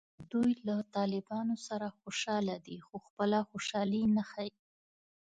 دوی له طالبانو سره خوشحاله دي خو خپله خوشحالي نه ښیي